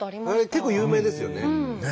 結構有名ですよね。